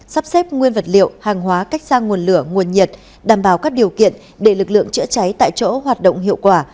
sắp xếp nguyên vật liệu hàng hóa cách sang nguồn lửa nguồn nhiệt đảm bảo các điều kiện để lực lượng chữa cháy tại chỗ hoạt động hiệu quả